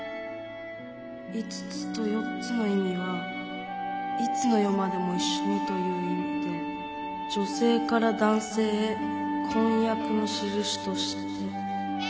５つと４つの意味はいつの世までも一緒にという意味で女性から男性へ婚約のしるしとして。